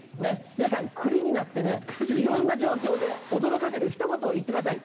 皆さんクリになってねいろんな状況で驚かせるひと言を言ってください。